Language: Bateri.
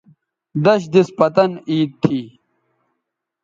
دش دِس پتن عید تھی